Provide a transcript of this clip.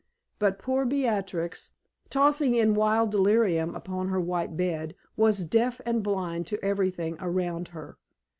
But poor Beatrix, tossing in wild delirium upon her white bed, was deaf and blind to everything around her.